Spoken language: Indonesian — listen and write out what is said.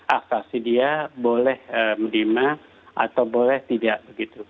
asasi dia boleh menerima atau boleh tidak begitu